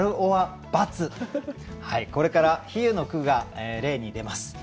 これから比喩の句が例に出ます。